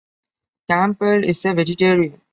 Campbell is a vegetarian.